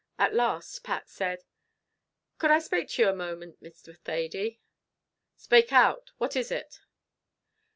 At last Pat said, "Could I spake to you a moment, Mr. Thady?" "Spake out what is it?"